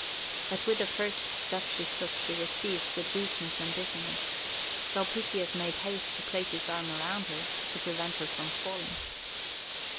But with the first step she took, she was seized with weakness and dizziness. Sulpicius made haste to place his arm around her, to prevent her from falling.